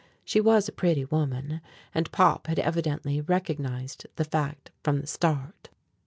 She was a pretty woman, and Pop had evidently recognized the fact from the start.